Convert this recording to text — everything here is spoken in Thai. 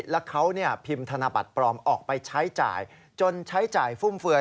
แล้วเขาพิมพ์ธนบัตรปลอมออกไปใช้จ่ายจนใช้จ่ายฟุ่มเฟือย